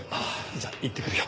じゃあ行ってくるよ。